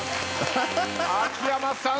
秋山さん